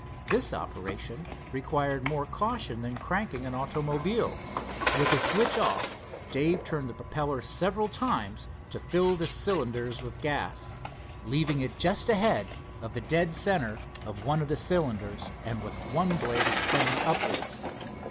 This operation required more caution than cranking an automobile. With the switch off, Dave turned the propellor several times to fill the cylinders with gas, leaving it just ahead of the dead center of one of the cylinders, and with one blade extending upwards.